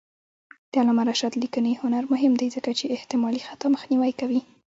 د علامه رشاد لیکنی هنر مهم دی ځکه چې احتمالي خطا مخنیوی کوي.